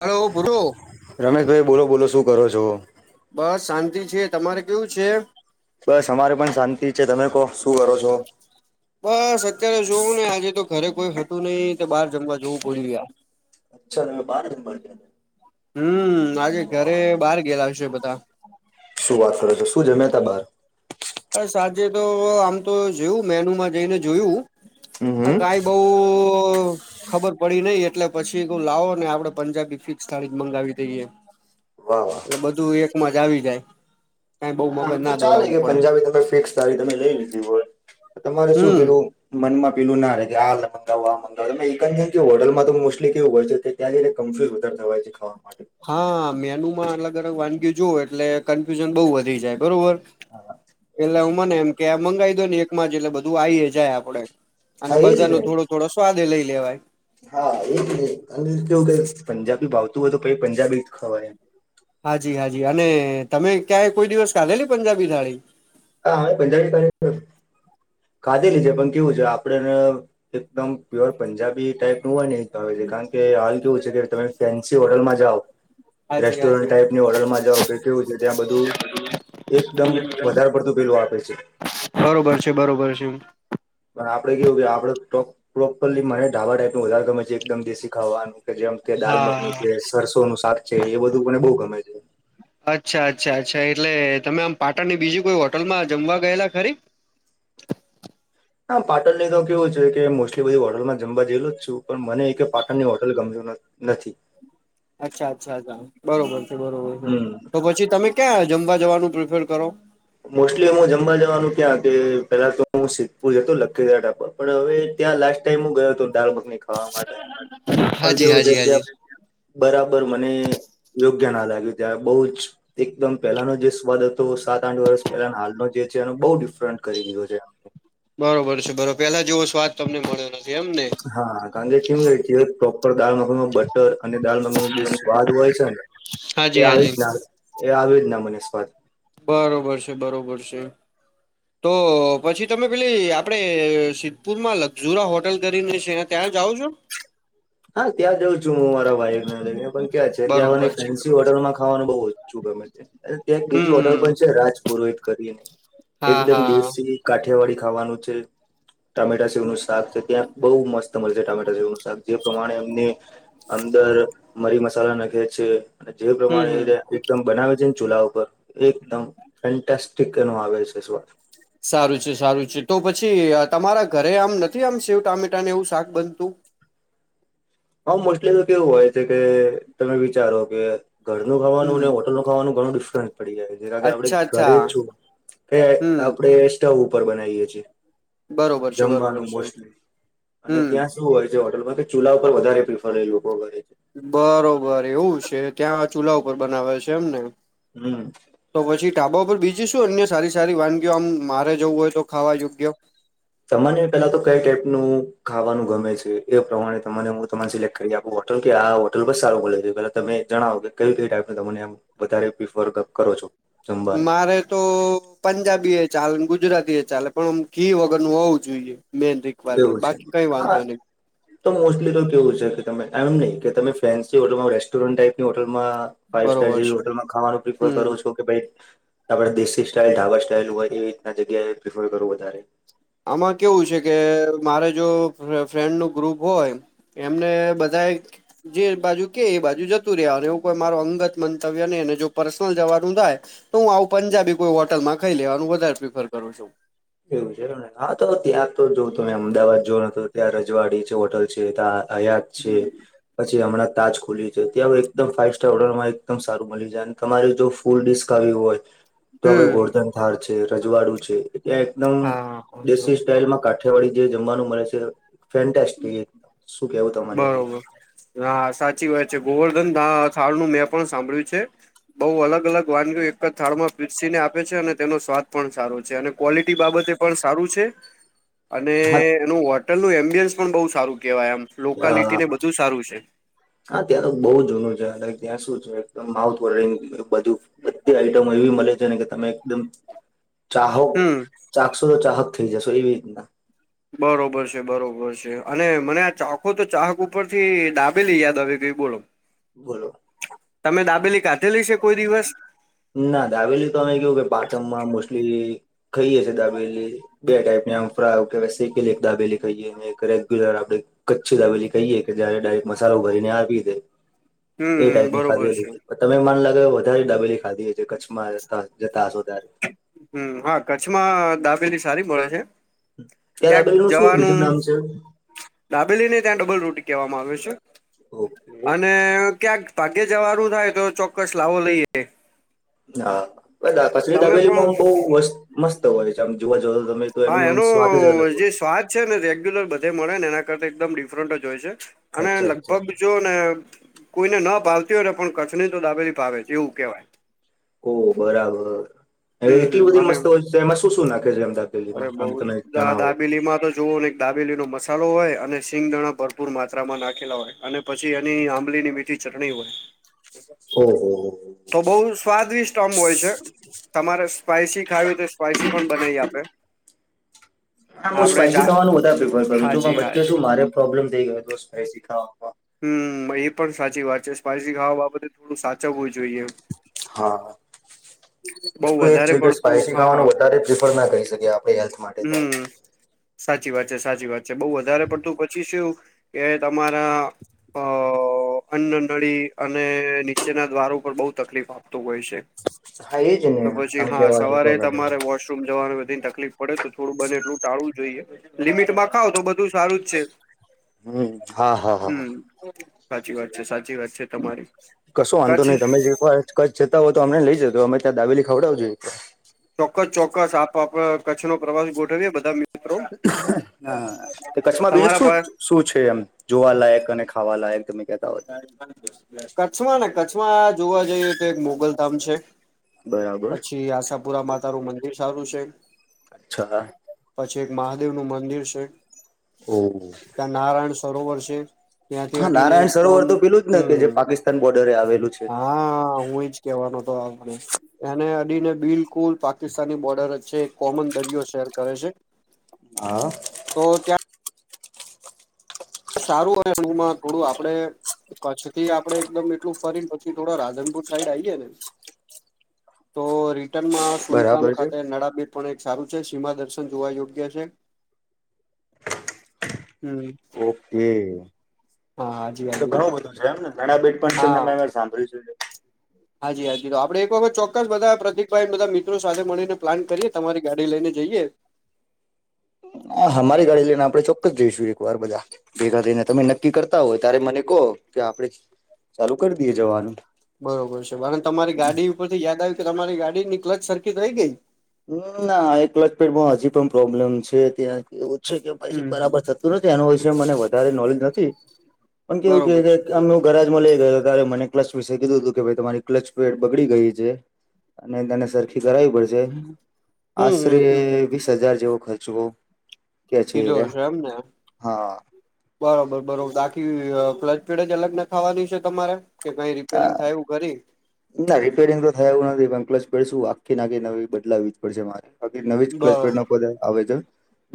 Hello બોલો. રમેશભાઈ બોલો બોલો શું કરો છો. બસ શાંતિ છે. તમારે કેવું છે? બસ અમારે પણ શાંતિ છે. તમે કો? બસ અત્યારે જોવ ને આજે તો ઘરે કોઈ હતું નહિ તે બહાર જમવા જવું પડ્યું યાર. અચ્છા તમે બાર જમવા ગયાં તા. હમ્મ આજે ઘરે બહાર ગયેલા છે બધા. શું વાત કરો છો શું જમ્યા તા બાર. અ સાંજે તો આમ તો જોયું મેનુમાં જઈને જોયું. હમ હું હમ કાલ બઉ ખબર પડી નઈ એટલે પછી એ લાવો ને આપડે પંજાબી ફિક્સ થાળી જ મંગાવી દઈએ. વાહ વાહ. એટલે બધું એકમાં જ આવી જાય. કઈ બઉ આમ મગજ તો ના ચાલે દોડાવવું કે પડે પંજાબી તમે ફિક્સ થાળી તમે લઈ લીધી હોય તમારે શું હમ પેલું મન માં પેલું ના રે કે આ મંગાવું, આ મંગાવું એક જ હોટલ તો મોસ્ટલી કેવું હોય છે કે ત્યા જઈ ને કનફ્યુઝ વધારે થવાય છે ખાવા માટે. હા મેનુમાં અલગ અલગ વાનગી ઓ જોવો એટલે કન્ફ્યુઝન બો વધી જાય બરોબર. એટલે હું મને એમ કે મંગાવી દો ને એક માં જ એટલે બધું આઈએ જાય આપડે. અને હા એ જ બધાનો ને થોડો થોડો સ્વાદ એ લઈ લેવાય. હા એ કેવું કે પંજાબી ભાવતું હોય તો પછી પંજાબી જ ખવાય. હાજી હાજી અને તમે ક્યાંય કોઈ દિવસ ખાધેલી પંજાબી થાળી. હા અમે પંજાબી [unintelligible] ખાધેલી છે પણ કેવું છે આપડે એકદમ પ્યોર પંજાબી ટાઈપ નું હોય ને છે કારણ કે હાલ કેવું છે કે તમે ફેન્સી હોટલમાં જાઓ હાજી રેસ્ટોરન્ટ હાજી ટાઈપની હોટલમાં જાવ કે કેવું છે ત્યાં બધું એકદમ [unintelligible] આપે છે. બરોબર છે બરોબર છે. પણ આપડે કેવું છે કે આપડે પ્રો પ્રોપરલી મળે ઢાબા ટાઈપ નું ગમે છે એકદમ દેશી ખાવાનું. કે જેમ કે દાલ મખની હા છે, સરસો નું શાક છે એ બધું મને બઉ ગમે છે. અચ્છા અચ્છા અચ્છા એટલે તમે આમ પાટણની બીજી કોઈ હોટલમાં જમવા ગયેલા ખરી? હા પાટણ ની તો કેવું છે કે મોસ્ટલી બધી હોટલમાં જમવા ગયલો જ છું. પણ મને એકે પાટણની હોટલ ગમતી નથી. અચ્છા અચ્છા્ બરોબર છે બરોબર છે. હમ તો પછી તમે ક્યાં જમવા જવાનું પ્રિફર કરો? મોસ્ટલી અમે જમવા જવાનું ક્યાં કે પેલા તો હું સિદ્ધપુર હતુ લખીદરા ઢાબા પર પણ હવે ત્યાં લાસ મેં ગયો હતો દાળ મખની ખાવા માટે પણ હાજી કેવું છે હાજી હાજી ત્યાં બરાબર મને યોગ્ય ના લાગ્યું ત્યારે બો જ એકદમ પહેલાનો જે સ્વાદ હતો સારો આઠ વર્ષ પહેલા હાલનો જે છે એનો બો ડિફરન્ટ કરી દીધો છે એમાને બરોબર છે બરોબર પેલા જેવો સ્વાદ તમને મળ્યો નય એમ ને. હા કારણકે કેવુ હોય છે ટોપ દાલ મગ નું બટર અને દાલ મખ ની નો જે સ્વાદ હોય છે ને એ હાજી આવી જ હાજી દાલ એ આવે જ ના મને સ્વાદ. બરોબર છે બરોબર છે. તો પછી તમે પેલી આપણે સિદ્ધપુરમાં લકઝુરા હોટલ કરીને છે. ત્યાં જવો છો. હા ત્યાં જઉં છું હું મારા ભાઈને લઈને પણ ક્યાં છે ત્યાં મને બરોબર છે ફેન્સી બરોબર છે. હોટલમાં ખાવાનું બઉ ઓછું ગમે છે ત્યા અને ત્યાં હમ બીજી હોટલ હમ પણ છે રાજપુરોહિત કરીને હા એકદમ હા દેશી કાઠિયાવાડી ખાવાનું છે ટામેટા સેવ નું શાક છે ત્યાં બો મસ્ત મળે છે ટામેટા સેવ નું શાક. જે પ્રમાણે એમને અંદર મરી મસાલા નાખયા છે અને જે હમ પ્રમાણે એ હમ [unintelligible] એકમ બનાવે છે ને ચૂલા ઉપર એકદમ ફેન્ટાસિક ન આવે છે સ્વાદ સારું છે સારું છે તો પછી તમારા ઘરે આમ નથી આમ શેવ ટામેટાને એવું શાક બનતું હ મોસ્ટલી તો કેવું હોય છે કે તમે વિચારો કે ઘરનું ખાવાનું હમ હોટલનું ખવાનું ઘણું ડિફરન્સ પડી જાય જે કે આપણે અચ્છા ઘરે અચ્છા જ છું કે હમ આપણે સ્ટવ ઉપર બનાવીએ છીએ બરોબર છે બરોબર જમવાનું છે મોસ્ટલી અને હમ ત્યાં શું હોય છે હોટલમાં કે ચૂલા ઉપર વધારે પ્રિફર લોકો કરે છે. બરોબર એવું છે ત્યાં ચૂલા ઉપર બનાવે છે એમને. હમમ. તો પછી ઢાબા પર બીજીશું અન્ય સારી સારી વાનગી આમ મારે જવું હોય તો ખાવા યોગ્ય તમને પેલા તો કઈ ટાઈપ નું ખાવાનું ગમે છે એ પ્રમાણે તમને હું તને સિલેક્ટ કરી આપ હોટલ કે આ હોટલ બસ સારું બો છે પેલા તમે જણાવો કે કઈ કઈ ટાઈપ તમને આમ વધારે પ્રિફર કરો છો. જમવાનું મારે તો પંજાબી એ ચાલે ગુજરાતી એ ચાલે પણમ ઘી વગર નું હોવું જોઈએ મેન રી એવું મેન્ટ છે બાકી કઈ હા વાંધો નહીં તો મોસ્ટલી તો કેવું છે કે તમે એમ નહી કે તમે ફેન્સી હોટલમાં રેસ્ટોરન્ટ ટાઈપની હોટલમાં ફાઈવ સ્ટાર બરોબર જેવી છે હોટલમાં ખાવાનું પ્રિફર કરો હમ છો કે ભાઈ આપડણે દેશી સ્ટાઈઇલ ઢાબા સ્ટાઈલ હોય એ રીતના જગ્યાએ પ્રિફર કરવું વધારે આમાં કેવું છે કે મારે જો ફ્રેન્ડ નું ગ્રુપ હોય એમને બધા એક જે બાજુ કે એ બાજુ જતું રહ્યા એવું કોઈ મારો અંગત મંતવ્ય નહીને જો પર્સનલ જવાનું થાય તો હું આવું પંજાબી કોઈ હોટલમાં ખાઈ લેવાનું વધારે પ્રિફર કરું છું. એવું છે એને હા તો ત્યાં તો જો તમે અમદાવાદ જોઓ તો ત્યાં રજવાડી છે હોટલ છે ત્યાં હયાત છે. હમ પછી હમણાં તાજ ખુલીયું છે ત્યાં એકદમ ફાઇવ સ્ટાર હોટલમાં એકદમ સારું મળી જાય અને તમારી જો સ્કૂલ ડિસ્ક આવી હોય તો આપડે હમ ગોરધન થાર છે રજવાડું છે ત્યાં એકદમ હા દેશી સ્ટાઈલમાં કા યાવાડી જે જમવાનું મળે છે ફેન્ટસ્ટિક બરોબર હા સાચી વાત છે ગોવર્ધન થાળ નું મેં પણ સાંભળ્યું છે બઉ અલગ અલગ વાનગી એક જ થાળમાં પીરસીને આપે છે અને તેનો સ્વાદ પણ સારો છે અને. ક્વોલિટી બાબતે પણ સારું છે. [unintelligible] અને હા એનું હોટલનું એમ્બિયન્સ પણ બહુ સારું કેહેવાય એમ અ લોકાલિટીને બધું સારું છે. હા ત્યાં તો બહુ જૂનું છે ત્યાં શું છે માઉથ વોશિંગ બધું. બધી આઈટમો એવી મળે છે ને કે તમે એકદમ. ચાહોક હમ ચાકસો તો ચાહક થઈ જશો એવી રીતના. બરોબર છે બરોબર છે અને મને આ ચાખો તો ચાહક ઉપર થી ડાબેલી યાદ આવી ગયુ. બોલો. બોલો. તમે દાબેલી ખાધેલી છે કોઈ દિવસ. ના દાબેલી તો અમે કેવું કે પાટણમાં મોસ્ટલી. ખાઈએ દાબેલી બે ટાઈપ ફરા આવ કે સેકેલી એક દાબેલી ખાઈએ. એક રેગ્યુલર આપડે કચ્છી દબેલી કહીએે. કે જયારે ડાયરેક મસાલો ભરીને આપી દે એ હમ ટાઈપ ની બરોબર ખાધેલી છે તમે મન લાગે વધારે ડાબેલી ખાધી હે છે કચ્છમાં જતા હશો ત્યારે. હમ્મ હા કચ્છમાં દાબેલી સારી મળે છે. ત્યાં ક્યાંક દાબેલીનું શું બીજું જવાનું નામ છે દાબેલી ને ત્યાં ડબલ રોટી કહેવામાં આવે છે. ઓ અને ક્યાંક ભાગે જવારું થાય તો ચોક્કસ લાવો લઈએ. હા પછ તમે પણ દાબેલીમાંમ બહસ્ત મસ્ત હોય છે આમ જોવા જતા તો તમે. તો હા એનું આમ સ્વાદ જ અલગ એનું હોય જે સ્વાદ. ને રેગ્યુલર બધે મળે ને એના કર એકદમ ડિફરન્ટ જ હોય છે છે અને અચ્છા લગભગ અચ્છા જો. કોઈને ના પાલતી હોય ને પણ કચ્છની તો દાબેથી ભાવે છે એવું કેવાય. ઓ બરાબર હ હમ એટલી હમ બધી મને મસ્ત હોય છે એમાં શું શું નાખે છે એમ. અરે દાબેલીમાં બઉ આમ તમે જણાવો દાબેલી માં તો જુઓ ને દાબેલી નો મસાલો હોય અને સિંગ દણા ભરપૂર માત્રા માં નાખેલા હોય અને પછી એની આંબલીની મીઠી તીખી ચટણી હોય. ઓ હો હો તો બહુ સ્વાદવિષ્ટ આમ હોય છે તમારે સ્પાઈસી ખાવું તો સ્પાઈસી પણ બનાવી આપે. હા હું આપડે સ્પાઈસી જા ખાવાનું બધારે પ્રિફર કરું છું હાજી પણ બચ્ચે હાજી. શું મારે પ્રોબ્લેમ થઈ ગયો હતો સ્પાઈસી ખાવા. હમ એ પણ સાચી વાત છે સ્પાઈસી ખાવા બાબતે થોડું સાચવ હોવું જોઈએ. હા. બઉ એ જ વધારે છે કે પડતું સ્પાઈસી હા હા ખાવાનું વધારે પ્રિફર ના કરી શકીએ આપણે હેલ્થ માટે તો આપ. હમ સાચી વાત છે સાચી વાત છે બઉુ વધારે પડતું પછી શું કે તમારા. અ અન્ન નળી અને નીચેના દ્વારો પર બહુ તકલીફ આપતું હોય છે. હા, એ જ તો ને પછી આમ હા કેવા જતો સવારે અલગ અલગ. તમારે વોશરૂમ જવાનું બધીને તકલીફ. પડે તો થોડું બને એટલું ટાળવું જોઈએ લિમિટ માં ખાવ તો બધું સારું જ છે. હમ હા હા. હા. હમ સાચી વાત છે સાચી વાત છે. તમારી કશું વાંધો નહીિ કચ્છ તમે જે કય કચછ જતા હોય તો અમને લઈ જશે તો અમે ત્યાં દાેલી ખવડાવું જોઈએ. ચોક્કસ ચોક્કસ આપડ કચ્નો પ્રવાસ ગોઠવીએ બધા. મિત્રો હા કચ્છમાં બીજું તમારા શું. પા શું છે એમ જોવાલાયક અને ખાવા લયક તમે ક. કચ્છમાં ને કચ્છમાં જોવા જઈએ તો એક મોગલધામ છે. બરાબર પછી આશાપુરા માતા નું મંદિર સારું છે. પછઃ. પછી એક મહાદેવ નું મંદિર છે. હમ. ત નારાયણ સરોવર છે ત્યાંથી હા અડીને એક. નારાયણ સરોવર તો પેલું જ ને કે જે પાકિસ્તાન બોર્ડરે આવેલું છે હા હું એજ કેવાનો હતો આ એને અડીને બિલકુલ પાકિસ્તાની બોર્ડર જ છે એક કોમન દરિયો શેર કરે છે હા તો ક્યા સારું હોય એણમાં થોડું આપડે કચ્છ થી આપડે એકદમ એટલું ફરી પછી થોડા રાધનપુર સાઈડ આએે ને તો રિટર્નમાં સુઈ ગામ બરાબર છે ખાતે નડાબીર પણ એક સારું છે સીમા દર્શન જોવા યોગ્ય છે હમ ઓકે તો હાજી ઘણું બધું છે એમને ઘણા બેટ પણ છે હા ને સાંભળીું હાજી હા આપડ એક વખત ચોક્કસ બધા પ્રતિકભાઈ બધા મિત્રો સાથે મળીને પ્લાન કરીએ તમારી ગાડી લઈને જઈએ હા અમારી ગાડી લઈને આપડે ચોક્કસ જઈશું એક વાર બધા ભેગા થઈને તમે નક્કી કરતા હોય ત્યારે મને કહો કે આપણે ચાલુ કરી દઈએ જવાનું બરોબર છે પણ તમારી ગાડી ઉપર થી યાદ આવી કે તમારી ગાડીની ક્લચ સરખીટ રહી ગઈ ના એકલ જ પેટમાં હજી પણ પ્રોબ્લેમ છે ત્યાં એવું છે કે પછી હમ્મ બરાબર હમ્મ થ નથી એનો વિષ મને વધારે નોલેજ નથી પણ કેવું કે બરોબર છે અમે બરોબર છે કરરાજમાં લઈ ગયો ત્યારે મને ક્લચ વિશે કીધું હતું કે ભાઈ તમારી ક્લચ પેડ બગડી ગઈ છે અને તને સરખી કરાવવી પડશે હમ્મ હમ્મ આશરે હમ્મ વીસ હજાર જેવો ખર્ચવો કે છે એ કીધો રહ્યા, હશે એમને હા. બરોબર બરોબર બાકી ક્લચ ફેડ અજ અલગ ના થાવાની છે તમારે કે કઈ રિપેરિંગ થાયું કરી. ના રિપેરિંગ તો થયા એવું નથી પણ પ્લસ શું આખી નાખી નવી બદલાવવી જ પડશે મારે નવી જ બ ક્લચપેડ નાતે આવે છે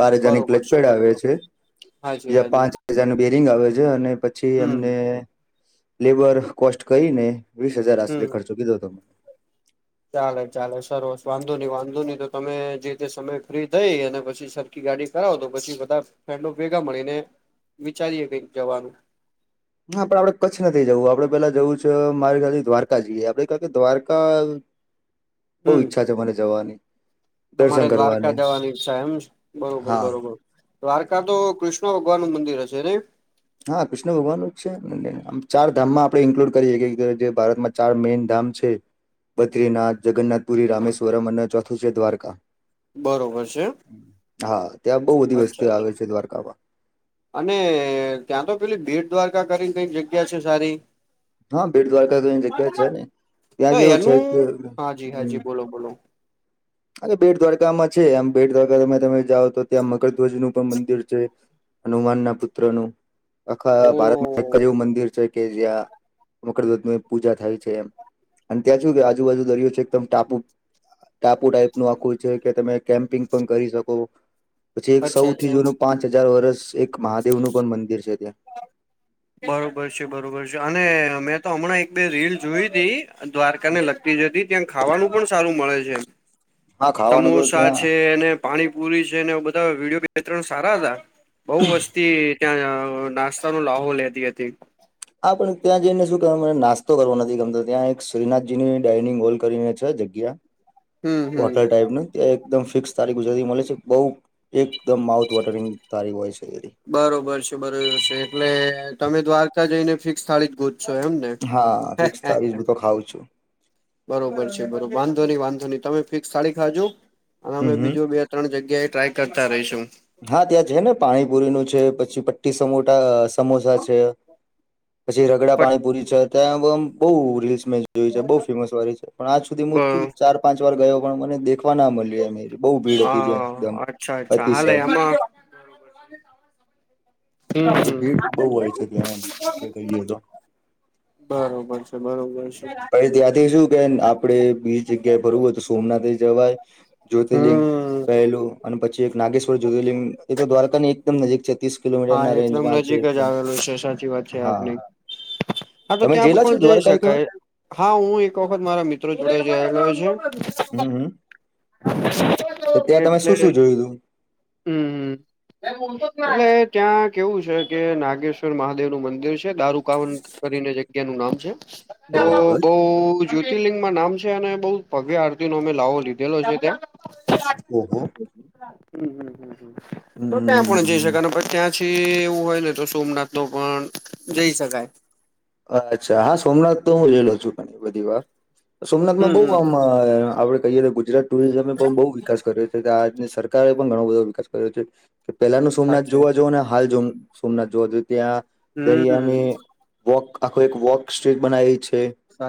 બાર હજારની બરોબર છે ક્લચપેડ આવે બરોબર છે હાજી બીજા હાજી પાંચ હજારનું બેરિંગ આવે છે અને પછી હમ એમને લેબર કોસ્ટ કરીહીને વીસ હજાર હમ આશરે ખર્ચો કીધો તમે ચાલે ચાલે સરવસ વાંધો નહી વાંધો નહી તો તમે જે તે સમય ફ્રી થઈ અને પછી સર ગાડી કરાવો તો પછી બધા ફન્ડો ભેગા મળીને વિચારીએ કઈક જવાનું. હ પડ આપડે કચ્છ નથી જવું, આપડે પેલા જવું છે મારી ખ્યાથી દ્વારકા જઈએ આપડે કા કે દ્વારકા બો હમ ઈચ્છા છે મને જવાની. દર્શન તમારે દ્વારકા કરવાની જવાની ઈચ્છા એમ, બરોબર હા બરોબર. દ્વારકા તો કૃષ્ણ ભગવાનનું મંદિર હશે ને? હા કૃષ્ણ ભગવાનનું જ છે, આમ ચાર ધામમાં આપણે ઇન્કલુડ કરીએ કે જે ભારતમાં ચાર મેઈન ધામ છે બદ્રીનાથ, જગરનાથપુરી, રામેશ્વરમ અને ચોથું છે દ્વારકા. બરોબર છે હા ત્યાં બઉ બધી અચ્છા વસ્તી અચ્છા આવે છે દ્વારકામાં. અને ત્યાં તો પેલી ભીડ દ્વારકા કરીને કઈ જગ્યા છે સારી? હા બેટ દ્વારકા તો એની જગ્યા છે ને તો ત્યાં કેવું છે એનું, કે હા જી, હા હમ જી, બોલો બોલો. અરે બેટ દ્વારકામાં છે આમ બેટ દ્વારકા તમે જાઓ તો ત્યાં મકરધ્વજ નું પણ મંદિર છે. હનુમાન ના પુત્ર નું ઓ આખા ભારત એક જ એવું મંદિર છે કે જ્યાં મકરધજની પૂજા થાય છે એમ અને ત્યાં સુું કે આજુબાજુ દરિયો છે એકદમ ટા પુ ટાઈપ નું આખુય છે કે તમે કેમ્પિંગ પણ કરી શકો. પછી એક અચ્છા સૌથી અચ્છા જનું પાંચ હજાર વરષ એક મહાદેવનું પણ મંદિર છે ત્યા. બરોબર છે બરોબર છે અને મેં તો હમણાં એક બે રીલ જોઈ તી અન દ્વારકા ને લગતી જતી ત્યાં ખાવાનું પણ સારું મળે છે. હા ખાવાનું તો સમોસા ત્યાં છે અને પાણી પુરી છે ને બધા વિડીયો બે ત્રણ સારા હતા. બઉુ વસ્તુ ત્યાં નાસ્તા ના લાહો લેતી હતી. આ પણ ત્યાં જઈને શું કે મને નાસ્તો કરવાો નથી ગમતો ત્યાં એક શ્રીનાથજી ની ડાઇનિંગ હોલ કરીને છે જગ્ યા હમ હમ હોટલ ટાઈપનું ત્યાં એકદમ ફિક્સ તારી ગુજરાતી મળે છે બઉુ એકદમ માઉથ વોટરિંગ તારી હોય છે એરી બરોબર છે બરોબર છે, એટલે તમે દ્વારકા જઈને ફિક્સ થાળી જ ગોજશો એમ? ને હા, ફિક્સ થાડી જ હું તો ખાવ છું. બરોબર છે બરોબર વાંધો નહી વાંધો નહી, તમે ફિક્સ સાળી ખાજો અને હમ અમે હમ બીજો બે ત્રણ જગ્યા એ ટ્રાય કરતા રહીશું. હા ત્યાં છે ને પાણીપુરીનું છે, પછી પટ્ટીા સમોટા સમોસા છે. પછી રગડા પટ પાણીપુરી છે ત્યાં એમ રીલ્સ મે જોયું છે બહુ ફેમસ વારી છે પણ આજ સુધી બ હું છું ચાર પાંચ વાર ગયો પણ મને દેખ ના મલ્યું એમ બહુ ભીડ હતી ત્યાં હા એકદમ, અચ્છા અચ્છા હાલે અતિસય. એમાં હમ તો ભીડ બહુ હોય છે ત્યાં એમ આપડે કહીઈ તો. બરોબર છે બરોબર છે. ભઈ ત્યાંથી શું કે આપડે બીઈ જગ્યાએ ભરવું હોય તો સોમનાથ એ જવાય જ્યોતિર્લિંગ હમ પહેલું અને પછી એક નાગેશ્વર જ્યોતિર્લિંગ એ તો દ્વારકાની એકદમ નજીક છે તીસ હા એકદમ નજીક જ આવેલું છે સાચી વાત છે હા આપની. હા તો તમે ત્યાં પણ જેલા છો પણ જઈ દ્વારકા એક વાર શકાય. હા હું એક વખત મારા મિત્રો જોડ રેહલો છું. હમ તો ત્યાં તમે એટલે શું શું જોયું તું હમ્મ હમ્મ, એટલે એ ત્યાં કેવું છે કે નાગેશ્વર મહાદેવ નું મંદિર છે દારૂકાવન કરીને જગ્યા નું નામ છે. તો બરાબર બઉ જ્યોતિર્લિંગમાં નામ છે અને બઉ ભવ્ય આરતી નો અમે લાવો લીધેલો છે ત્યાં ઓહો તો ક્યાં પણ જઈ હમ શક ન પછ ત્યાંથી એવું હોય ને તો સોમનાથ નો પણ જઈ શકાય. અચ્છા હા સોમનાથ તો હું રેલો છું ઘણી બધી વાર, સોમનાથમાં હમ બહુ હમ આમ આપડે કહીએ તો ગુજરાત ટુરિઝમે એ પણ બહુ વિકાસ કર્યો છે આજની સર કારે પણ ઘણો બધો વિકાસ કર્યો છે. કે પેહલાનું સોમનાથ સાચે જોવા જાવ ને હાલ જો સોમનાથ જોવાઈએ ત્યાં હમ દરિયાની વોક આખો એક વોક સ્ટ્રીટ બનાવી છે. સા